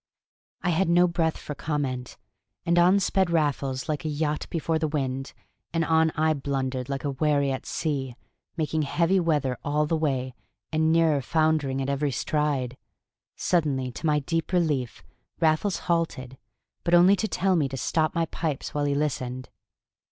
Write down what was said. I had no breath for comment. And on sped Raffles like a yacht before the wind, and on I blundered like a wherry at sea, making heavy weather all the way, and nearer foundering at every stride. Suddenly, to my deep relief, Raffles halted, but only to tell me to stop my pipes while he listened.